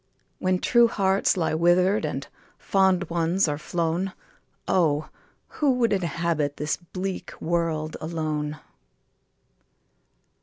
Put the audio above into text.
When true hearts lie wither'd, And fond ones are flown, Oh ! who would inhabit This bleak world alone